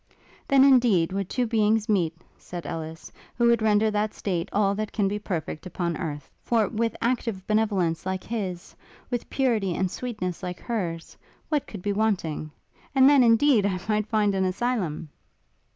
'Then indeed would two beings meet,' said Ellis, 'who would render that state all that can be perfect upon earth; for with active benevolence like his, with purity and sweetness like hers, what could be wanting? And then, indeed, I might find an asylum!'